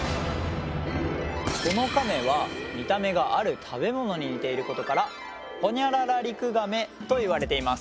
このカメは見た目がある食べ物に似ていることからほにゃららリクガメといわれています。